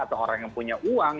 atau orang yang punya uang